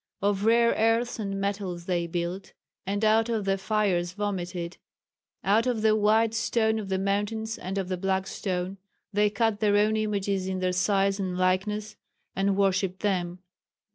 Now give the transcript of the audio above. Of rare earths and metals they built, and out of the fires vomited, out of the white stone of the mountains and of the black stone, they cut their own images in their size and likeness, and worshipped them."